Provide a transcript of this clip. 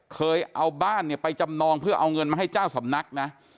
เคยเอาบ้านเนี่ยไปจำนองเพื่อเอาเงินมาให้เจ้าสำนักนะ